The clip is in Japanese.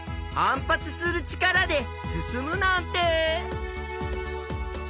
反発する力で進むなんて！